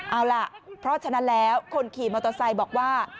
เอาล่ะเพราะฉะนั้นแล้วคนขี่มอเตอร์ไซค์บอกว่า